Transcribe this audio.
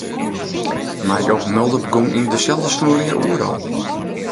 Mar Joop Mulder begûn yn deselde snuorje Oerol.